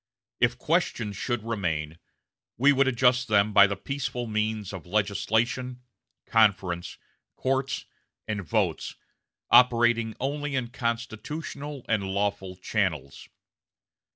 If questions should remain, we would adjust them by the peaceful means of legislation, conference, courts, and votes, operating only in constitutional and lawful channels....